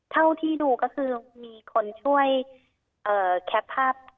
เท่าที่ดูก็คือมีคนช่วยแคปภาพ